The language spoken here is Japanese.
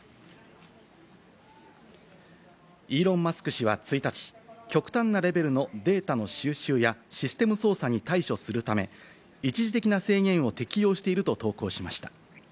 氏は１日、極端なレベルのデータの収集やシステム操作に対処するため一時的な制限を適用していると投稿しました。